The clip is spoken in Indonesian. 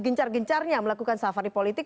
gencar gencarnya melakukan safari politik